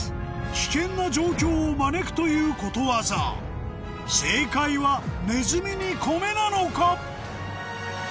危険な状況を招くということわざ正解は「ねずみに米」なのか？